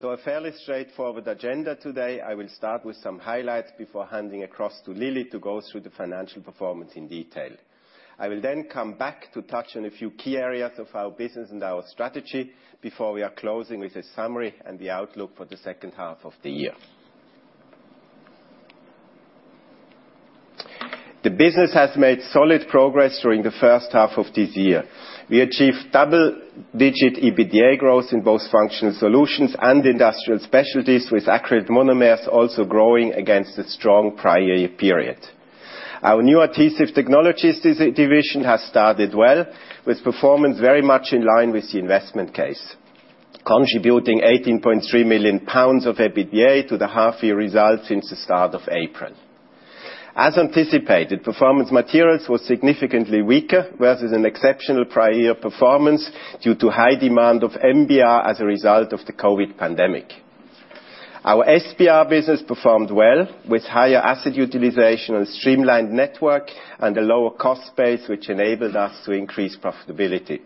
A fairly straightforward agenda today. I will start with some highlights before handing across to Lily to go through the financial performance in detail. I will then come back to touch on a few key areas of our business and our strategy before we are closing with a summary and the outlook for the second half of the year. The business has made solid progress during the first half of this year. We achieved double-digit EBITDA growth in both Functional Solutions and Industrial Specialties, with acrylic monomers also growing against a strong prior year period. Our new Adhesive Technologies division has started well, with performance very much in line with the investment case, contributing 18.3 million pounds of EBITDA to the half-year results since the start of April. As anticipated, Performance Materials was significantly weaker, whereas as an exceptional prior year performance due to high demand of NBR as a result of the COVID pandemic. Our SBR business performed well, with higher asset utilization and streamlined network and a lower cost base, which enabled us to increase profitability.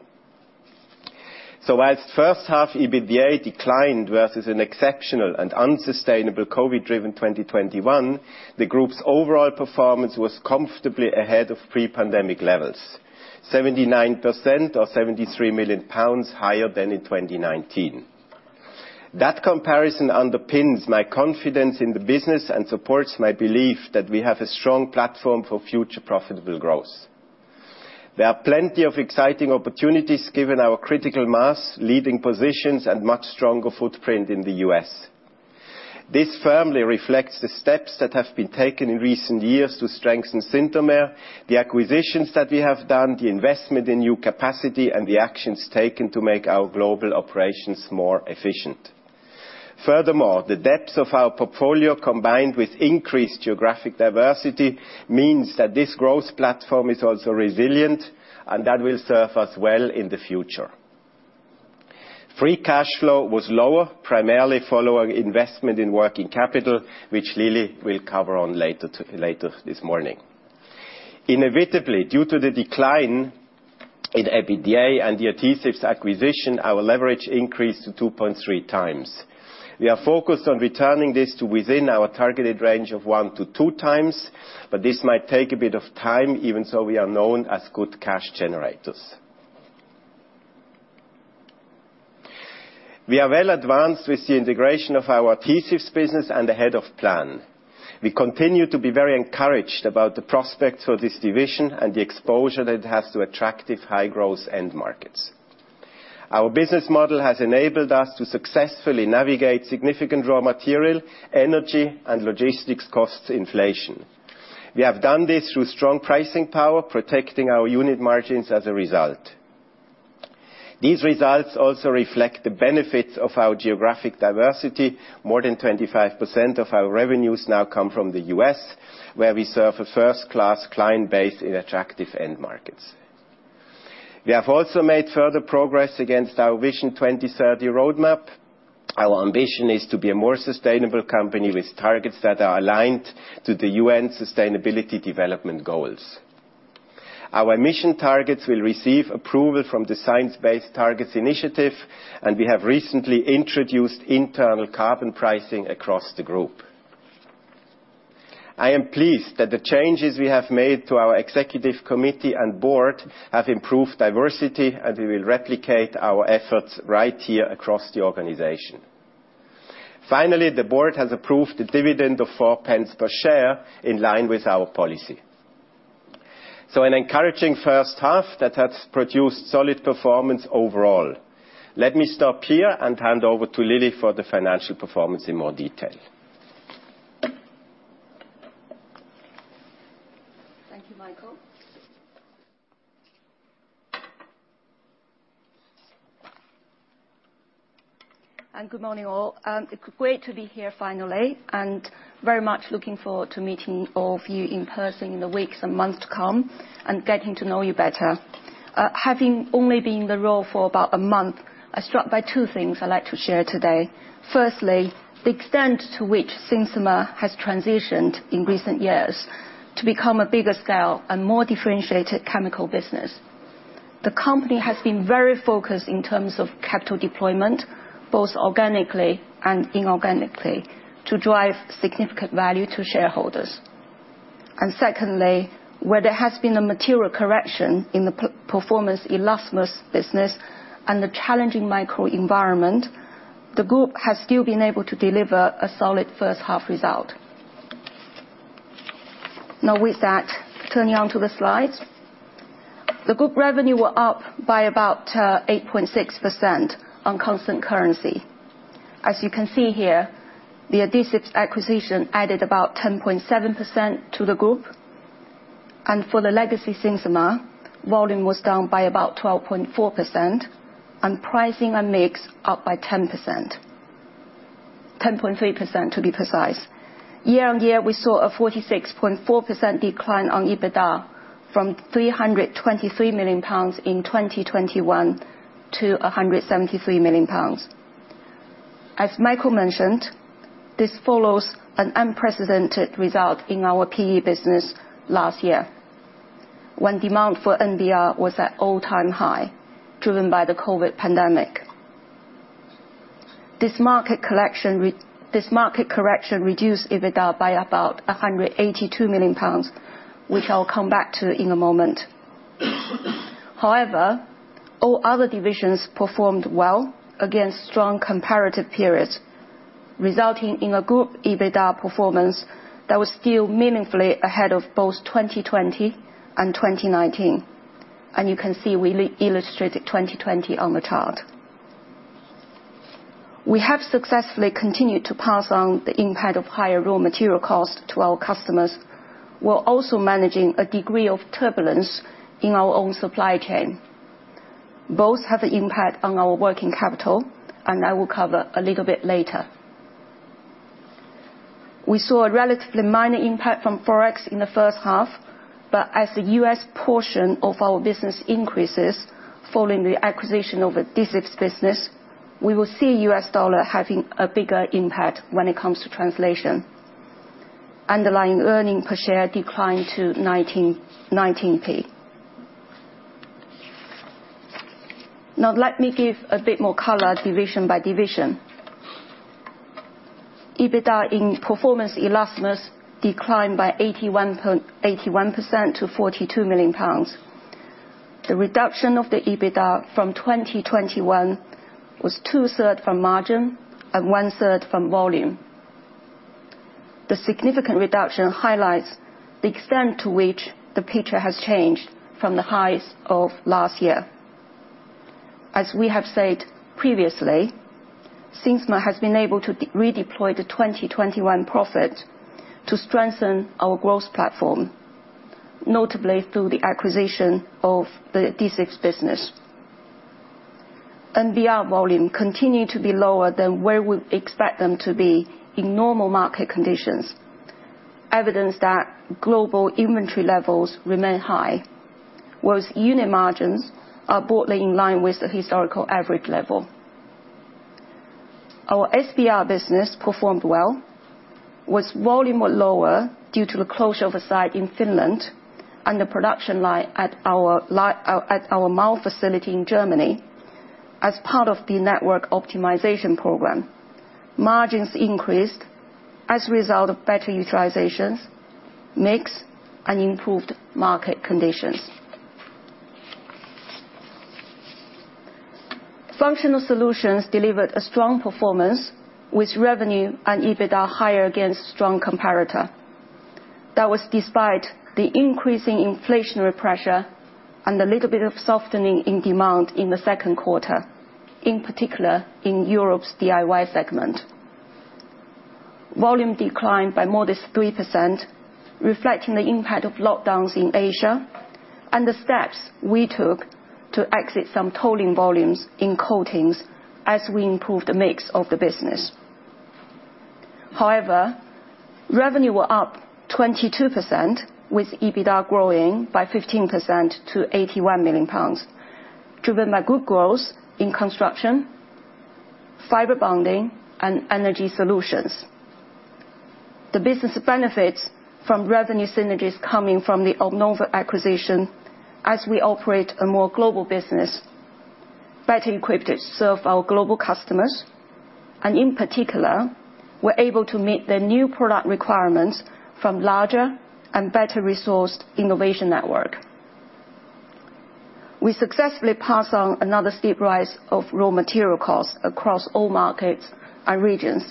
While first half EBITDA declined versus an exceptional and unsustainable COVID-driven 2021, the group's overall performance was comfortably ahead of pre-pandemic levels, 79% or 73 million pounds higher than in 2019. That comparison underpins my confidence in the business and supports my belief that we have a strong platform for future profitable growth. There are plenty of exciting opportunities given our critical mass, leading positions, and much stronger footprint in the U.S. This firmly reflects the steps that have been taken in recent years to strengthen Synthomer, the acquisitions that we have done, the investment in new capacity, and the actions taken to make our global operations more efficient. Furthermore, the depth of our portfolio, combined with increased geographic diversity, means that this growth platform is also resilient, and that will serve us well in the future. Free cash flow was lower, primarily following investment in working capital, which Lily will cover on later this morning. Inevitably, due to the decline in EBITDA and the adhesives acquisition, our leverage increased to 2.3x. We are focused on returning this to within our targeted range of 1x-2x, but this might take a bit of time. Even so, we are known as good cash generators. We are well advanced with the integration of our adhesives business and ahead of plan. We continue to be very encouraged about the prospects for this division and the exposure that it has to attractive high-growth end markets. Our business model has enabled us to successfully navigate significant raw material, energy, and logistics cost inflation. We have done this through strong pricing power, protecting our unit margins as a result. These results also reflect the benefits of our geographic diversity. More than 25% of our revenues now come from the U.S., where we serve a first-class client base in attractive end markets. We have also made further progress against our Vision 2030 roadmap. Our ambition is to be a more sustainable company with targets that are aligned to the UN Sustainable Development Goals. Our emission targets will receive approval from the Science Based Targets initiative, and we have recently introduced internal carbon pricing across the group. I am pleased that the changes we have made to our executive committee and board have improved diversity, and we will replicate our efforts right here across the organization. Finally, the board has approved a dividend of 0.04 per share in line with our policy. An encouraging first half that has produced solid performance overall. Let me stop here and hand over to Lily for the financial performance in more detail. Thank you, Michael. Good morning, all. It's great to be here finally, and very much looking forward to meeting all of you in person in the weeks and months to come and getting to know you better. Having only been in the role for about a month, I was struck by two things I'd like to share today. Firstly, the extent to which Synthomer has transitioned in recent years to become a bigger scale and more differentiated chemical business. The company has been very focused in terms of capital deployment, both organically and inorganically, to drive significant value to shareholders. Secondly, where there has been a material correction in the Performance Elastomers business and the challenging macro environment, the group has still been able to deliver a solid first half result. Now with that, turning to the slides. The group revenue was up by about 8.6% on constant currency. As you can see here, the adhesives acquisition added about 10.7% to the group. For the legacy Synthomer, volume was down by about 12.4%, and pricing and mix up by 10%. 10.3% to be precise. Year-on-year, we saw a 46.4% decline on EBITDA from 323 million pounds in 2021 to £173 million. As Michael mentioned, this follows an unprecedented result in our PE business last year. When demand for NBR was at all-time high, driven by the COVID pandemic. This market correction reduced EBITDA by about 182 million pounds, which I'll come back to in a moment. However, all other divisions performed well against strong comparative periods, resulting in a good EBITDA performance that was still meaningfully ahead of both 2020 and 2019. You can see we illustrated 2020 on the chart. We have successfully continued to pass on the impact of higher raw material costs to our customers, while also managing a degree of turbulence in our own supply chain. Both have an impact on our working capital, and I will cover a little bit later. We saw a relatively minor impact from Forex in the first half, but as the U.S. portion of our business increases following the acquisition of Adhesive business, we will see U.S. dollar having a bigger impact when it comes to translation. Underlying earnings per share declined to 19.19p. Now, let me give a bit more color division by division. EBITDA in Performance Elastomers declined by 81% to 42 million pounds. The reduction of the EBITDA from 2021 was two-thirds from margin and 1/3 from volume. The significant reduction highlights the extent to which the picture has changed from the highs of last year. As we have said previously, Synthomer has been able to redeploy the 2021 profit to strengthen our growth platform, notably through the acquisition of the Adhesive business. NBR volume continued to be lower than where we expect them to be in normal market conditions. Evidence that global inventory levels remain high, while unit margins are broadly in line with the historical average level. Our SBR business performed well, with volume were lower due to the closure of a site in Finland and the production line at our Marl facility in Germany. As part of the network optimization program, margins increased as a result of better utilizations, mix, and improved market conditions. Functional Solutions delivered a strong performance, with revenue and EBITDA higher against strong comparator. That was despite the increasing inflationary pressure and a little bit of softening in demand in the second quarter, in particular, in Europe's DIY segment. Volume declined by modest 3%, reflecting the impact of lockdowns in Asia and the steps we took to exit some tolling volumes in coatings as we improved the mix of the business. However, revenue were up 22%, with EBITDA growing by 15% to 81 million pounds, driven by good growth in construction, fiber bonding, and energy solutions. The business benefits from revenue synergies coming from the OMNOVA acquisition as we operate a more global business, better equipped to serve our global customers, and in particular, we're able to meet the new product requirements from larger and better-resourced innovation network. We successfully passed on another steep rise of raw material costs across all markets and regions.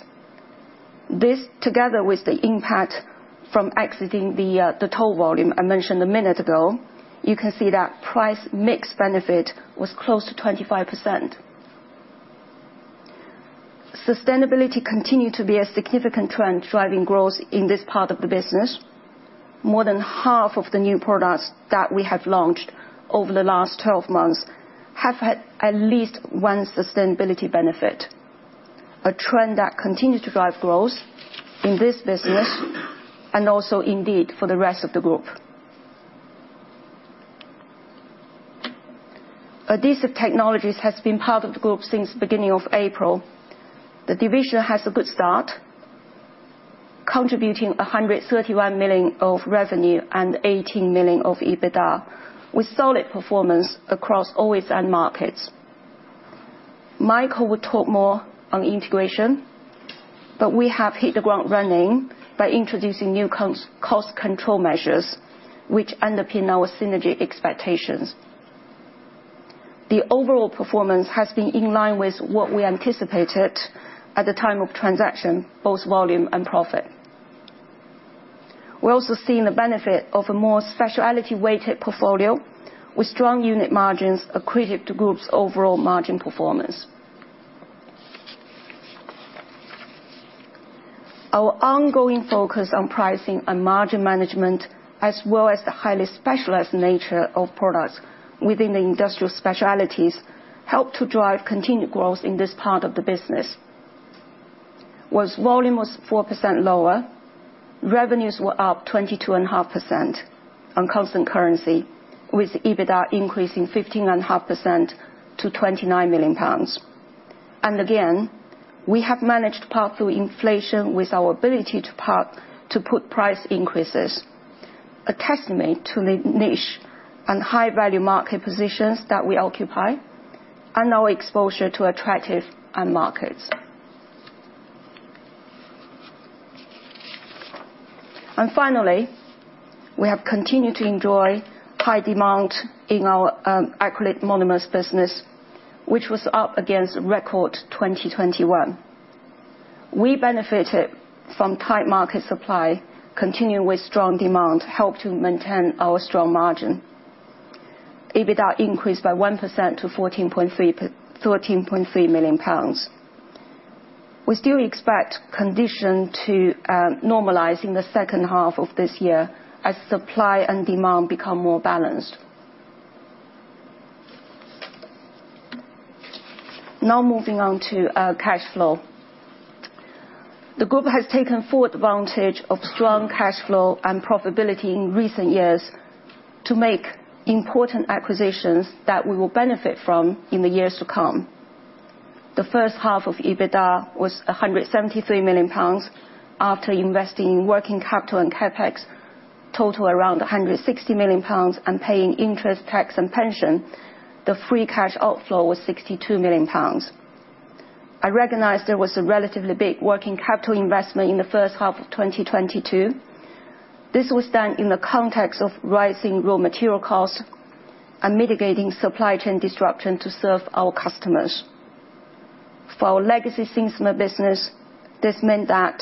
This, together with the impact from exiting the toll volume I mentioned a minute ago, you can see that price mix benefit was close to 25%. Sustainability continued to be a significant trend driving growth in this part of the business. More than half of the new products that we have launched over the last 12 months have had at least one sustainability benefit. A trend that continued to drive growth in this business and also indeed for the rest of the group. Adhesive Technologies has been part of the group since the beginning of April. The division has a good start, contributing 131 million of revenue and 18 million of EBITDA, with solid performance across all its end markets. Michael will talk more on integration, but we have hit the ground running by introducing new controls, cost control measures, which underpin our synergy expectations. The overall performance has been in line with what we anticipated at the time of transaction, both volume and profit. We're also seeing the benefit of a more specialty-weighted portfolio, with strong unit margins accretive to group's overall margin performance. Our ongoing focus on pricing and margin management, as well as the highly specialized nature of products within the Industrial Specialties, helped to drive continued growth in this part of the business. While volume was 4% lower, revenues were up 22.5% on constant currency, with EBITDA increasing 15.5% to 29 million pounds. Again, we have managed to power through inflation with our ability to put price increases, a testament to the niche and high value market positions that we occupy and our exposure to attractive end markets. Finally, we have continued to enjoy high demand in our acrylic monomers business, which was up against record 2021. We benefited from tight market supply, continuing with strong demand, helped to maintain our strong margin. EBITDA increased by 1% to 13.3 million pounds. We still expect conditions to normalize in the second half of this year as supply and demand become more balanced. Now moving on to cash flow. The group has taken full advantage of strong cash flow and profitability in recent years to make important acquisitions that we will benefit from in the years to come. The first half of EBITDA was 173 million pounds after investing in working capital and CapEx total around 160 million pounds and paying interest, tax, and pension. The free cash outflow was 62 million pounds. I recognize there was a relatively big working capital investment in the first half of 2022. This was done in the context of rising raw material costs and mitigating supply chain disruption to serve our customers. For our legacy Synthomer business, this meant that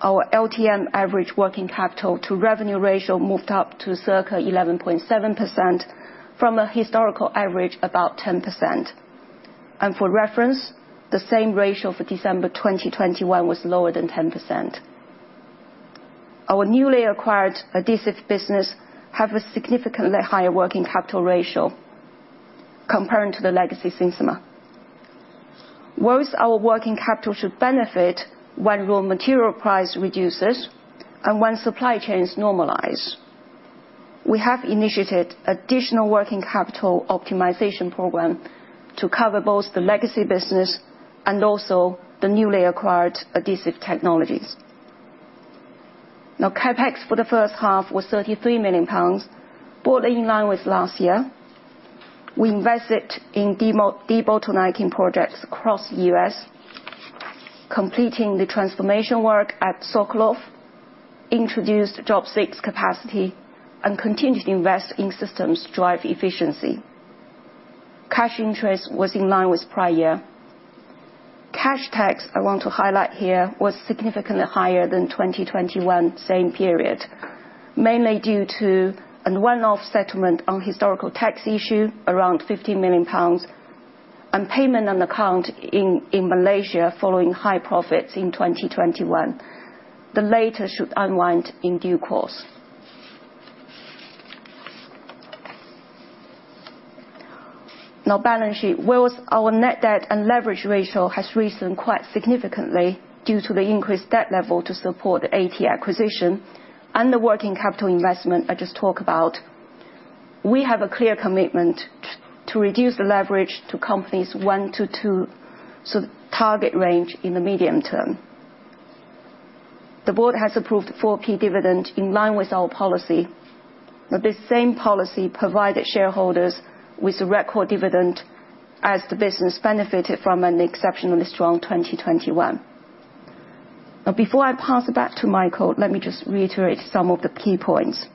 our LTM average working capital to revenue ratio moved up to circa 11.7% from a historical average about 10%. For reference, the same ratio for December 2021 was lower than 10%. Our newly acquired Adhesive business has a significantly higher working capital ratio comparing to the legacy Synthomer. While our working capital should benefit when raw material price reduces and when supply chains normalize, we have initiated additional working capital optimization program to cover both the legacy business and also the newly acquired Adhesive Technologies. Now, CapEx for the first half was 33 million pounds, broadly in line with last year. We invested in debottlenecking projects across the U.S., completing the transformation work at Sokolov, introduced Job 6 capacity, and continued to invest in systems to drive efficiency. Cash interest was in line with prior year. Cash tax, I want to highlight here, was significantly higher than 2021 same period, mainly due to a one-off settlement on historical tax issue, around 50 million pounds, and payment on account in Malaysia following high profits in 2021. The latter should unwind in due course. Now balance sheet. While our net debt and leverage ratio has risen quite significantly due to the increased debt level to support the AT acquisition and the working capital investment I just talked about, we have a clear commitment to reduce the leverage to 1-2, so target range in the medium term. The board has approved 40p dividend in line with our policy. Now this same policy provided shareholders with a record dividend as the business benefited from an exceptionally strong 2021. Now, before I pass it back to Michael, let me just reiterate some of the key points.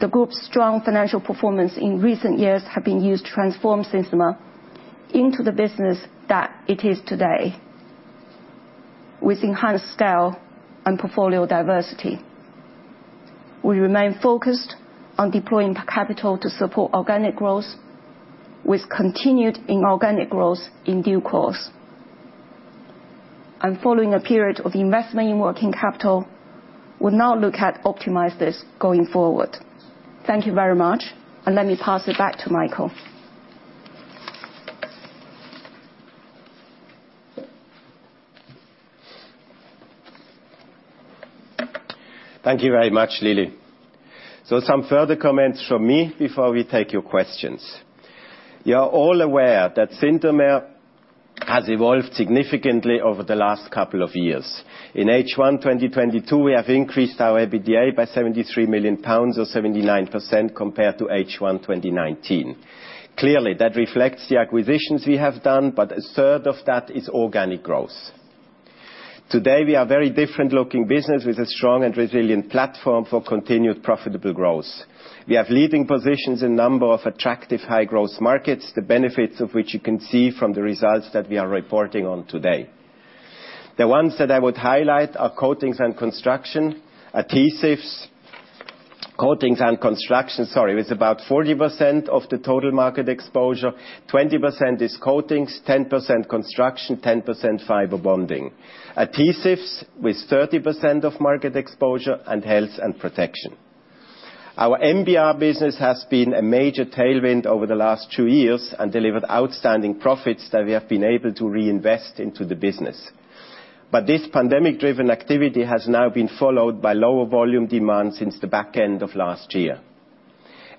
The group's strong financial performance in recent years have been used to transform Synthomer into the business that it is today, with enhanced scale and portfolio diversity. We remain focused on deploying capital to support organic growth with continued inorganic growth in due course. Following a period of investment in working capital, we'll now look to optimize this going forward. Thank you very much, and let me pass it back to Michael. Thank you very much, Lily. Some further comments from me before we take your questions. You are all aware that Synthomer has evolved significantly over the last couple of years. In H1 2022, we have increased our EBITDA by 73 million pounds or 79% compared to H1 2019. Clearly, that reflects the acquisitions we have done, but a 1/3 of that is organic growth. Today, we are very different looking business with a strong and resilient platform for continued profitable growth. We have leading positions in a number of attractive high growth markets, the benefits of which you can see from the results that we are reporting on today. The ones that I would highlight are coatings and construction, sorry, with about 40% of the total market exposure. 20% is coatings, 10% construction, 10% fiber bonding. Adhesives with 30% of market exposure, and health and protection. Our NBR business has been a major tailwind over the last two years and delivered outstanding profits that we have been able to reinvest into the business. This pandemic-driven activity has now been followed by lower volume demand since the back end of last year.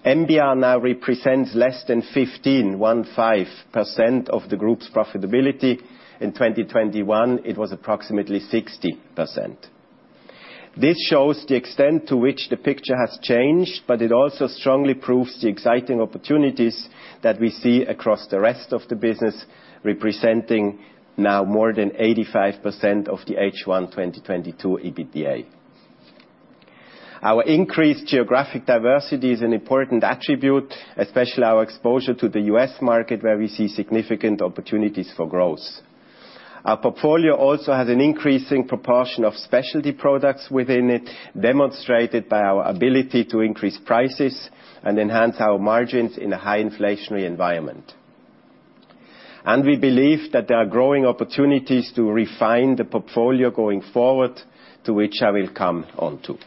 NBR now represents less than 15% of the group's profitability. In 2021, it was approximately 60%. This shows the extent to which the picture has changed, but it also strongly proves the exciting opportunities that we see across the rest of the business, representing now more than 85% of the H1 2022 EBITDA. Our increased geographic diversity is an important attribute, especially our exposure to the U.S. market, where we see significant opportunities for growth. Our portfolio also has an increasing proportion of specialty products within it, demonstrated by our ability to increase prices and enhance our margins in a high inflationary environment. We believe that there are growing opportunities to refine the portfolio going forward, to which I will come on to.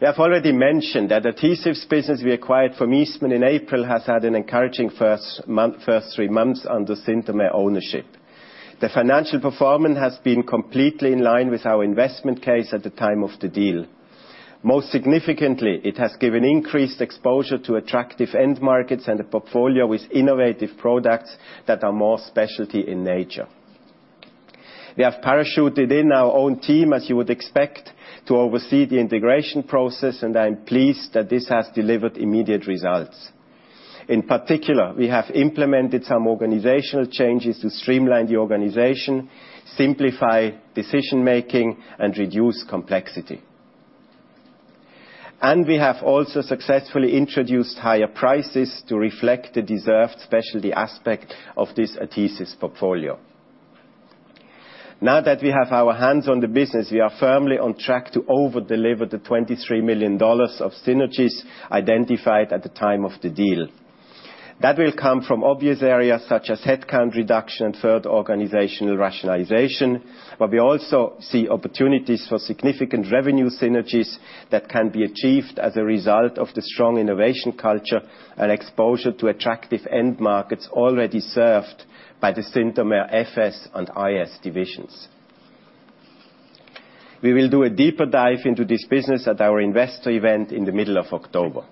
We have already mentioned that adhesives business we acquired from Eastman in April has had an encouraging first three months under Synthomer ownership. The financial performance has been completely in line with our investment case at the time of the deal. Most significantly, it has given increased exposure to attractive end markets and a portfolio with innovative products that are more specialty in nature. We have parachuted in our own team, as you would expect, to oversee the integration process, and I'm pleased that this has delivered immediate results. In particular, we have implemented some organizational changes to streamline the organization, simplify decision-making, and reduce complexity. We have also successfully introduced higher prices to reflect the deserved specialty aspect of this adhesives portfolio. Now that we have our hands on the business, we are firmly on track to over-deliver the $23 million of synergies identified at the time of the deal. That will come from obvious areas such as headcount reduction and third organizational rationalization, but we also see opportunities for significant revenue synergies that can be achieved as a result of the strong innovation culture and exposure to attractive end markets already served by the Synthomer FS and IS divisions. We will do a deeper dive into this business at our investor event in the middle of October.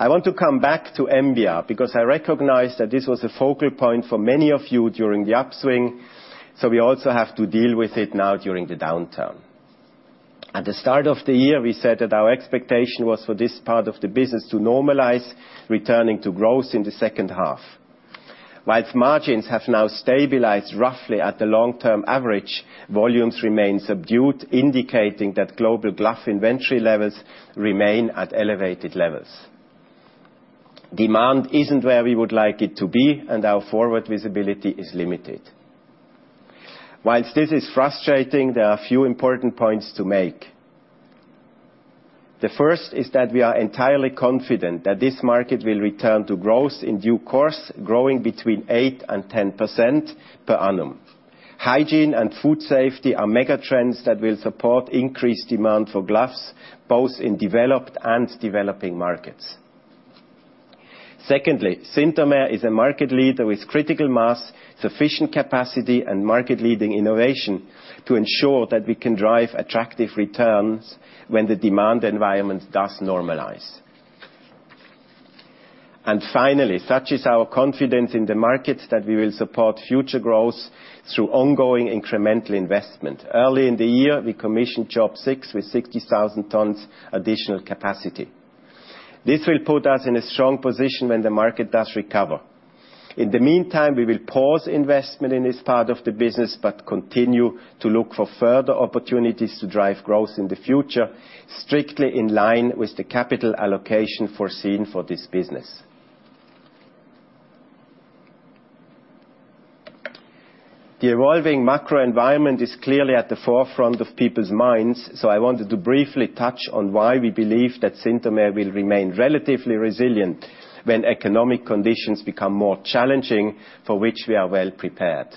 I want to come back to NBR because I recognize that this was a focal point for many of you during the upswing, so we also have to deal with it now during the downturn. At the start of the year, we said that our expectation was for this part of the business to normalize, returning to growth in the second half. While margins have now stabilized roughly at the long-term average, volumes remain subdued, indicating that global glove inventory levels remain at elevated levels. Demand isn't where we would like it to be, and our forward visibility is limited. While this is frustrating, there are a few important points to make. The first is that we are entirely confident that this market will return to growth in due course, growing between 8%-10% per annum. Hygiene and food safety are megatrends that will support increased demand for gloves, both in developed and developing markets. Secondly, Synthomer is a market leader with critical mass, sufficient capacity and market-leading innovation to ensure that we can drive attractive returns when the demand environment does normalize. Finally, such is our confidence in the market that we will support future growth through ongoing incremental investment. Early in the year, we commissioned Job 6 with 60,000 tons additional capacity. This will put us in a strong position when the market does recover. In the meantime, we will pause investment in this part of the business, but continue to look for further opportunities to drive growth in the future, strictly in line with the capital allocation foreseen for this business. The evolving macro environment is clearly at the forefront of people's minds, so I wanted to briefly touch on why we believe that Synthomer will remain relatively resilient when economic conditions become more challenging, for which we are well prepared.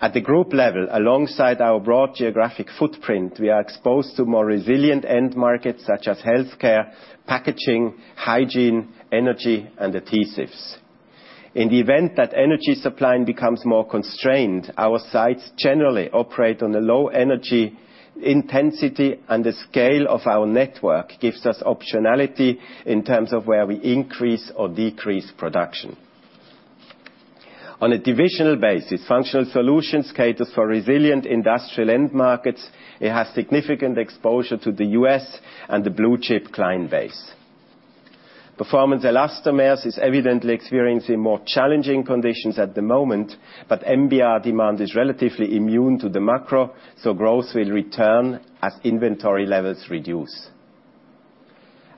At the group level, alongside our broad geographic footprint, we are exposed to more resilient end markets such as healthcare, packaging, hygiene, energy, and adhesives. In the event that energy supply becomes more constrained, our sites generally operate on a low energy intensity, and the scale of our network gives us optionality in terms of where we increase or decrease production. On a divisional basis, Functional Solutions caters for resilient industrial end markets. It has significant exposure to the U.S. and the blue-chip client base. Performance Elastomers is evidently experiencing more challenging conditions at the moment, but NBR demand is relatively immune to the macro, so growth will return as inventory levels reduce.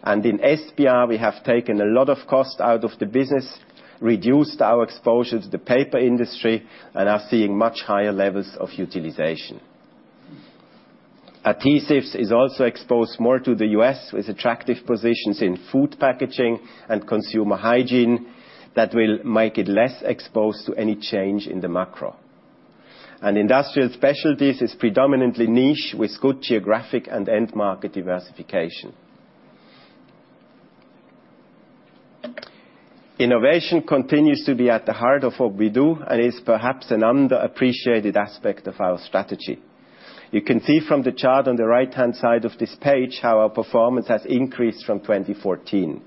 In SBR, we have taken a lot of cost out of the business, reduced our exposure to the paper industry, and are seeing much higher levels of utilization. Adhesives is also exposed more to the U.S., with attractive positions in food packaging and consumer hygiene that will make it less exposed to any change in the macro. Industrial Specialities is predominantly niche with good geographic and end market diversification. Innovation continues to be at the heart of what we do and is perhaps an underappreciated aspect of our strategy. You can see from the chart on the right-hand side of this page how our performance has increased from 2014.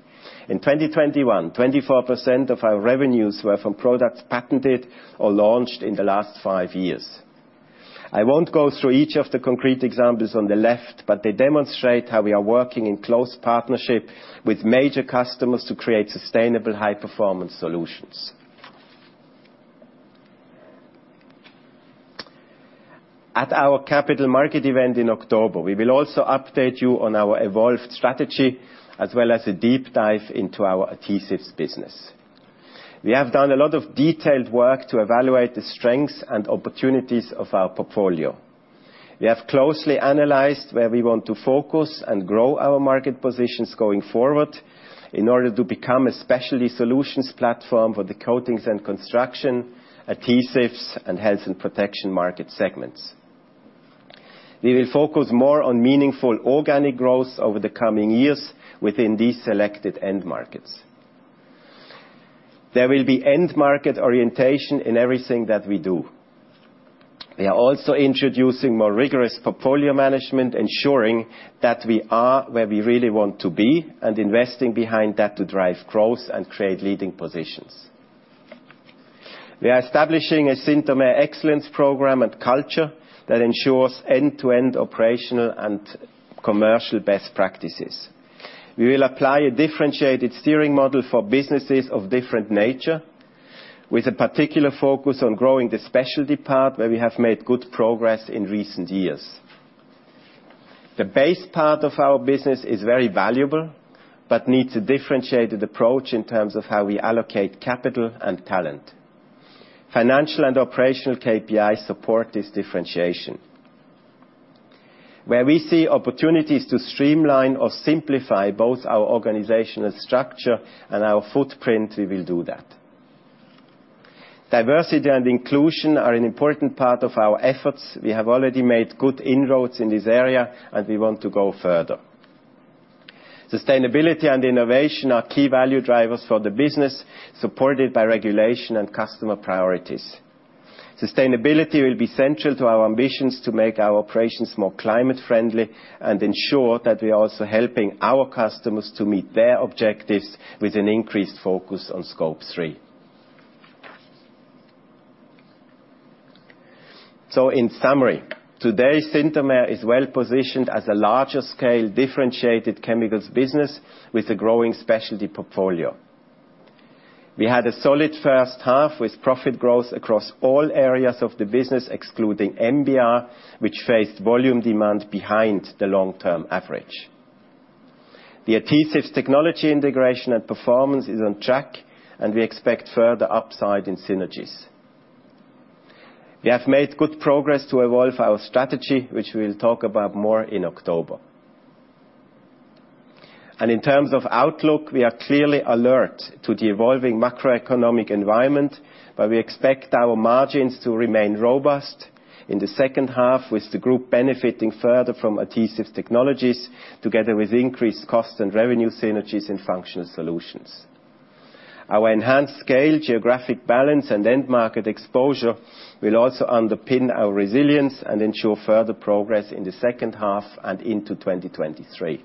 In 2021, 24% of our revenues were from products patented or launched in the last five years. I won't go through each of the concrete examples on the left, but they demonstrate how we are working in close partnership with major customers to create sustainable high-performance solutions. At our capital market event in October, we will also update you on our evolved strategy as well as a deep dive into our adhesives business. We have done a lot of detailed work to evaluate the strengths and opportunities of our portfolio. We have closely analyzed where we want to focus and grow our market positions going forward in order to become a specialty solutions platform for the coatings and construction, adhesives, and health and protection market segments. We will focus more on meaningful organic growth over the coming years within these selected end markets. There will be end market orientation in everything that we do. We are also introducing more rigorous portfolio management, ensuring that we are where we really want to be and investing behind that to drive growth and create leading positions. We are establishing a Synthomer Excellence program and culture that ensures end-to-end operational and commercial best practices. We will apply a differentiated steering model for businesses of different nature, with a particular focus on growing the specialty part where we have made good progress in recent years. The base part of our business is very valuable, but needs a differentiated approach in terms of how we allocate capital and talent. Financial and operational KPIs support this differentiation. Where we see opportunities to streamline or simplify both our organizational structure and our footprint, we will do that. Diversity and inclusion are an important part of our efforts. We have already made good inroads in this area, and we want to go further. Sustainability and innovation are key value drivers for the business, supported by regulation and customer priorities. Sustainability will be central to our ambitions to make our operations more climate friendly and ensure that we are also helping our customers to meet their objectives with an increased focus on Scope 3. In summary, today, Synthomer is well-positioned as a larger scale, differentiated chemicals business with a growing specialty portfolio. We had a solid first half with profit growth across all areas of the business, excluding NBR, which faced volume demand behind the long-term average. The Adhesives Technologies integration and performance is on track, and we expect further upside in synergies. We have made good progress to evolve our strategy, which we'll talk about more in October. In terms of outlook, we are clearly alert to the evolving macroeconomic environment, but we expect our margins to remain robust in the second half with the group benefiting further from Adhesive Technologies together with increased cost and revenue synergies in Functional Solutions. Our enhanced scale, geographic balance, and end market exposure will also underpin our resilience and ensure further progress in the second half and into 2023.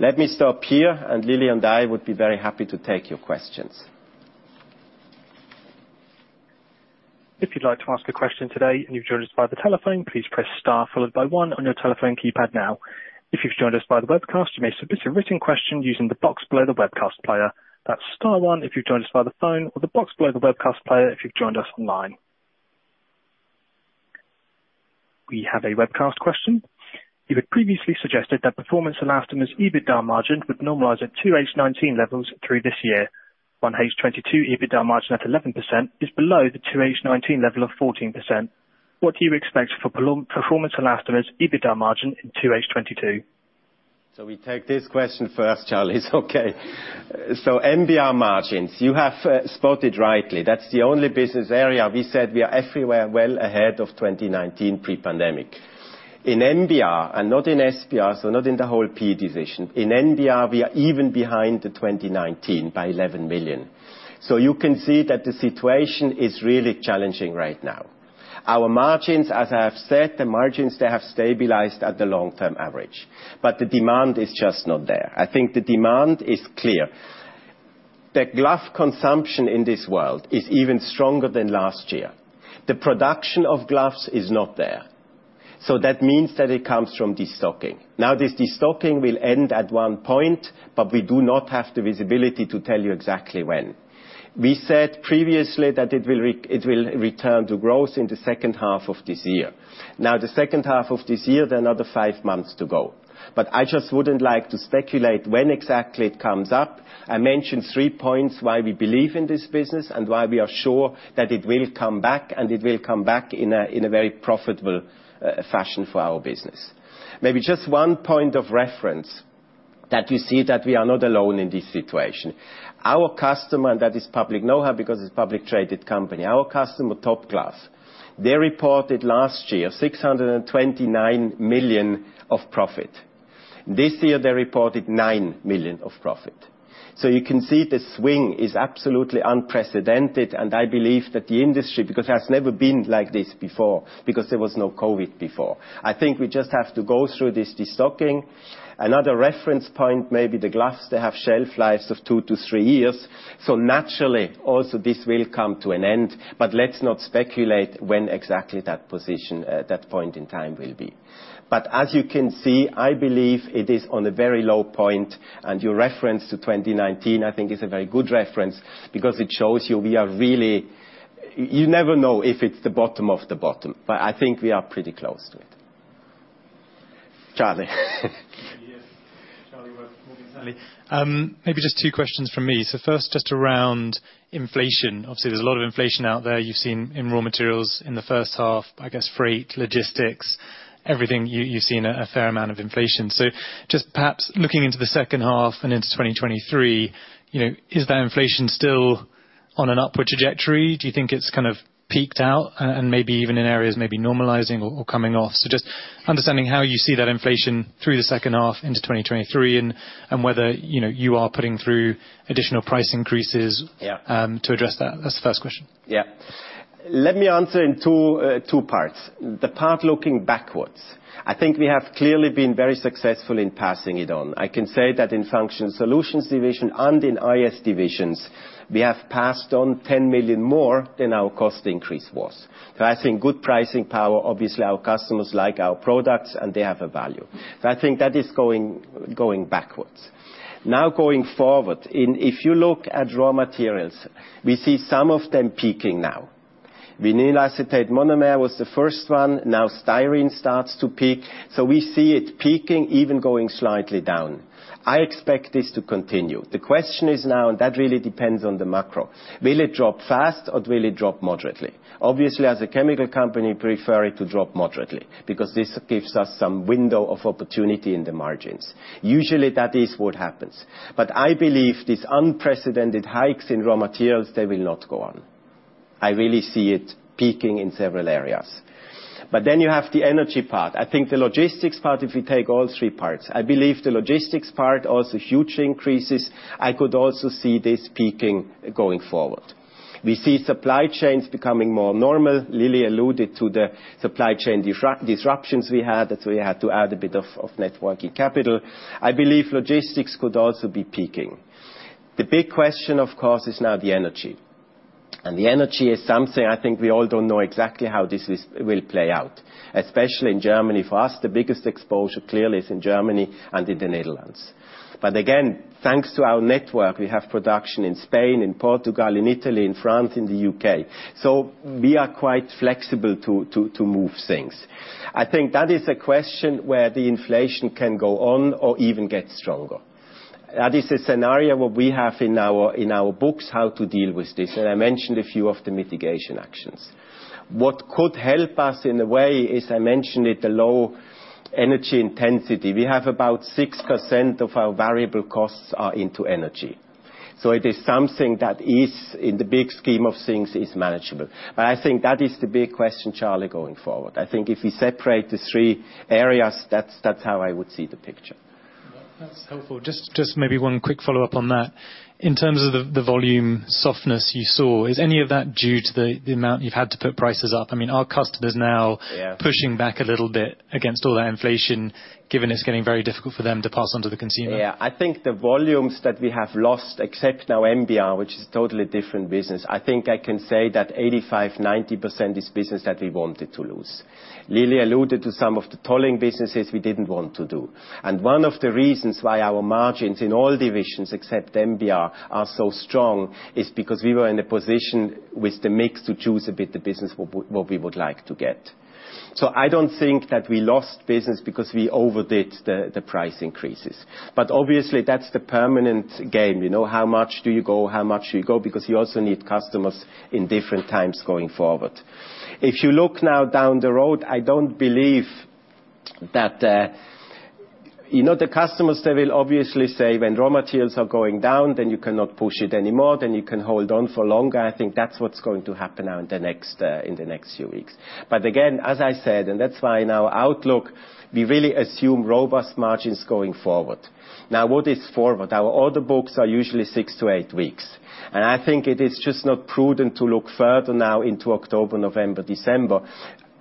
Let me stop here, and Lily and I would be very happy to take your questions. If you'd like to ask a question today and you've joined us by the telephone, please press star followed by one on your telephone keypad now. If you've joined us by the webcast, you may submit your written question using the box below the webcast player. That's star one if you've joined us by the phone or the box below the webcast player if you've joined us online. We have a webcast question. You had previously suggested that Performance Elastomers EBITDA margin would normalize at 2H 2019 levels through this year. 1H 2022 EBITDA margin at 11% is below the 2H 2019 level of 14%. What do you expect for Performance Elastomers EBITDA margin in 2H 2022? We take this question first, Charlie. It's okay. NBR margins, you have spotted rightly. That's the only business area we said we are everywhere well ahead of 2019 pre-pandemic. In NBR and not in SBR, so not in the whole PE division. In NBR, we are even behind the 2019 by 11 million. You can see that the situation is really challenging right now. Our margins, as I have said, have stabilized at the long-term average, but the demand is just not there. I think the demand is clear. The glove consumption in this world is even stronger than last year. The production of gloves is not there. That means that it comes from destocking. Now this destocking will end at one point, but we do not have the visibility to tell you exactly when. We said previously that it will return to growth in the second half of this year. Now, the second half of this year, there are another five months to go. I just wouldn't like to speculate when exactly it comes up. I mentioned three points why we believe in this business and why we are sure that it will come back, and it will come back in a very profitable fashion for our business. Maybe just one point of reference that you see that we are not alone in this situation. Our customer, and that is public knowledge because it's a publicly traded company. Our customer, Top Glove, they reported last year 629 million of profit. This year, they reported 9 million of profit. You can see the swing is absolutely unprecedented, and I believe that the industry, because it has never been like this before, because there was no COVID before. I think we just have to go through this destocking. Another reference point may be the gloves. They have shelf lives of two to three years. Naturally, also this will come to an end. Let's not speculate when exactly that position, that point in time will be. As you can see, I believe it is on a very low point, and your reference to 2019 I think is a very good reference because it shows you we are really. You never know if it's the bottom of the bottom. I think we are pretty close to it. Charlie. Yes. Maybe just two questions from me. First, just around inflation. Obviously, there's a lot of inflation out there. You've seen in raw materials in the first half, I guess, freight, logistics. Everything you've seen a fair amount of inflation. Just perhaps looking into the second half and into 2023, you know, is that inflation still on an upward trajectory? Do you think it's kind of peaked out and maybe even in areas maybe normalizing or coming off? Just understanding how you see that inflation through the second half into 2023 and whether, you know, you are putting through additional price increases. Yeah to address that. That's the first question. Yeah. Let me answer in two parts. The part looking backwards. I think we have clearly been very successful in passing it on. I can say that in Functional Solutions division and in IS divisions, we have passed on 10 million more than our cost increase was. I think good pricing power. Obviously, our customers like our products, and they have a value. I think that is going backwards. Now, going forward, if you look at raw materials, we see some of them peaking now. Vinyl Acetate Monomer was the first one. Now Styrene starts to peak. So we see it peaking, even going slightly down. I expect this to continue. The question is now, and that really depends on the macro, will it drop fast, or will it drop moderately? Obviously, as a chemical company, we prefer it to drop moderately because this gives us some window of opportunity in the margins. Usually, that is what happens. I believe these unprecedented hikes in raw materials, they will not go on. I really see it peaking in several areas. Then you have the energy part. I think the logistics part, if you take all three parts, I believe the logistics part also had huge increases. I could also see this peaking going forward. We see supply chains becoming more normal. Lily alluded to the supply chain disruptions we had, that we had to add a bit of net working capital. I believe logistics could also be peaking. The big question, of course, is now the energy. The energy is something I think we all don't know exactly how this will play out, especially in Germany. For us, the biggest exposure, clearly, is in Germany and in the Netherlands. Again, thanks to our network, we have production in Spain and Portugal, in Italy, in France, in the U.K. We are quite flexible to move things. I think that is a question where the inflation can go on or even get stronger. That is a scenario that we have in our books how to deal with this. I mentioned a few of the mitigation actions. What could help us in a way is, I mentioned it, the low energy intensity. We have about 6% of our variable costs are energy. It is something that is, in the big scheme of things, is manageable. I think that is the big question, Charlie, going forward. I think if we separate the three areas, that's how I would see the picture. Well, that's helpful. Just maybe one quick follow-up on that. In terms of the volume softness you saw, is any of that due to the amount you've had to put prices up? I mean, are customers now- Yeah pushing back a little bit against all that inflation, given it's getting very difficult for them to pass on to the consumer? Yeah. I think the volumes that we have lost, except now NBR, which is a totally different business. I think I can say that 85%-90% is business that we wanted to lose. Lily alluded to some of the tolling businesses we didn't want to do. One of the reasons why our margins in all divisions, except NBR, are so strong is because we were in a position with the mix to choose a bit the business what we would like to get. I don't think that we lost business because we overdid the price increases. Obviously, that's the permanent game. You know, how much do you go? Because you also need customers in different times going forward. If you look now down the road, I don't believe that, you know the customers, they will obviously say when raw materials are going down, then you cannot push it anymore, then you can hold on for longer. I think that's what's going to happen now in the next few weeks. Again, as I said, and that's why in our outlook, we really assume robust margins going forward. Now, what is forward? Our order books are usually 6-8 weeks. I think it is just not prudent to look further now into October, November, December.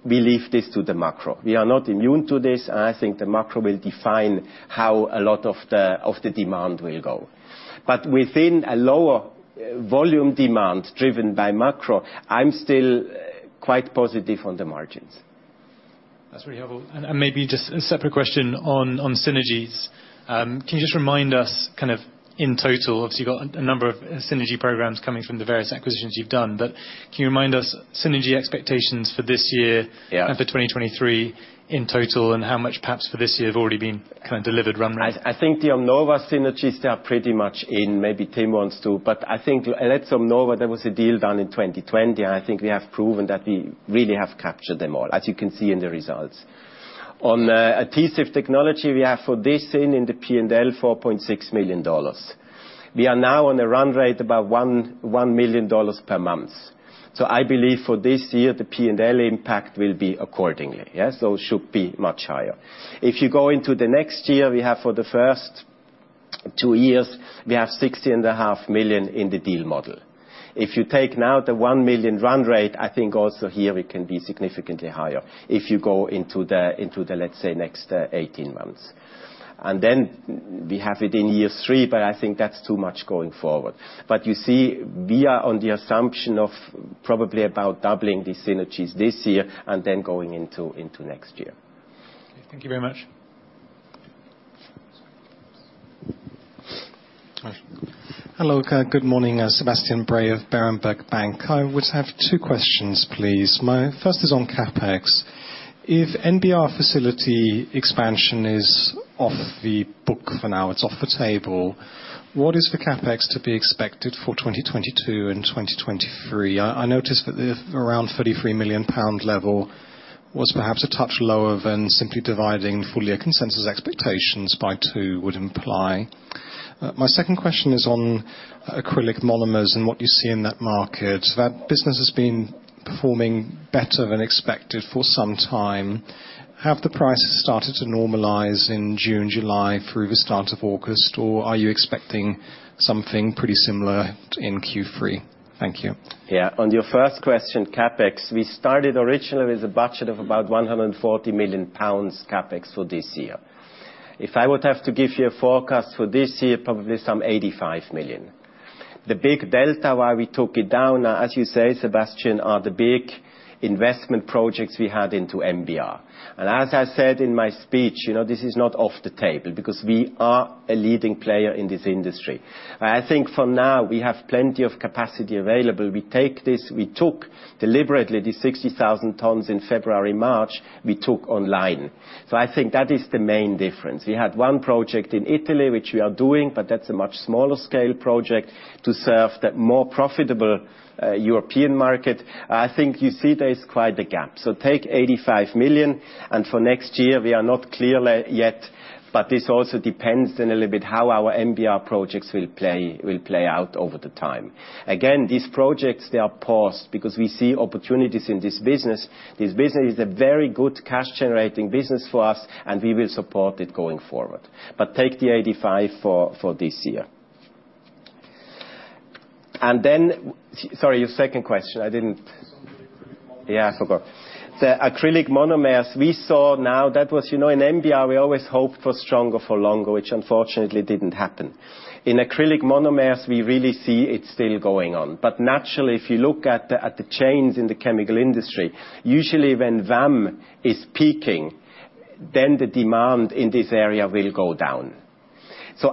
We leave this to the macro. We are not immune to this, and I think the macro will define how a lot of the demand will go. Within a lower volume demand driven by macro, I'm still quite positive on the margins. That's really helpful. Maybe just a separate question on synergies. Can you just remind us kind of in total, obviously you've got a number of synergy programs coming from the various acquisitions you've done. Can you remind us synergy expectations for this year- Yeah for 2023 in total, and how much perhaps for this year have already been kind of delivered run rate? I think the OMNOVA synergies, they are pretty much in maybe Timon's too. I think, let's say OMNOVA, that was a deal done in 2020, and I think we have proven that we really have captured them all, as you can see in the results. On Adhesive Technologies, we have for this in the P&L, $4.6 million. We are now on a run rate about $1 million per month. I believe for this year, the P&L impact will be accordingly, yes. It should be much higher. If you go into the next year, we have for the first two years, we have $60.5 million in the deal model. If you take now the 1 million run rate, I think also here it can be significantly higher, if you go into the, let's say, next 18 months. Then we have it in year three, but I think that's too much going forward. You see, we are on the assumption of probably about doubling the synergies this year and then going into next year. Thank you very much. Hello. Good morning. Sebastian Bray of Berenberg Bank. I would have two questions, please. My first is on CapEx. If NBR facility expansion is off the book for now, it's off the table, what is the CapEx to be expected for 2022 and 2023? I noticed that around 33 million pound level was perhaps a touch lower than simply dividing full-year consensus expectations by two would imply. My second question is on acrylic monomers and what you see in that market. That business has been performing better than expected for some time. Have the prices started to normalize in June, July through the start of August, or are you expecting something pretty similar in Q3? Thank you. Yeah. On your first question, CapEx, we started originally with a budget of about 140 million pounds CapEx for this year. If I would have to give you a forecast for this year, probably some 85 million. The big delta, why we took it down, as you say, Sebastian, are the big investment projects we had into NBR. As I said in my speech, you know, this is not off the table because we are a leading player in this industry. I think for now, we have plenty of capacity available. We took deliberately the 60,000 tons in February, March, we took online. I think that is the main difference. We had one project in Italy, which we are doing, but that's a much smaller scale project to serve the more profitable European market. I think you see there is quite a gap. Take 85 million, and for next year, we are not clear yet, but this also depends on a little bit how our NBR projects will play out over time. Again, these projects, they are paused because we see opportunities in this business. This business is a very good cash-generating business for us, and we will support it going forward. Take the 85 million for this year. Then sorry, your second question. I didn't. Something to do with monomers. Yeah, I forgot. The acrylic monomers, we saw now that was, you know, in NBR, we always hope for stronger for longer, which unfortunately didn't happen. In acrylic monomers, we really see it's still going on. Naturally, if you look at the chains in the chemical industry, usually when VAM is peaking, then the demand in this area will go down.